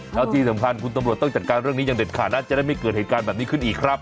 แล้วที่สำคัญคุณตำรวจต้องจัดการเรื่องนี้อย่างเด็ดขาดนะจะได้ไม่เกิดเหตุการณ์แบบนี้ขึ้นอีกครับ